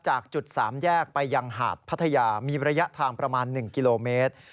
จากจุด๓แยกไปยังหาดพัทยามีระยะทางประมาณ๑กิโลเมตร